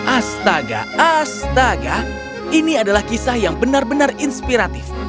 astaga astaga ini adalah kisah yang benar benar inspiratif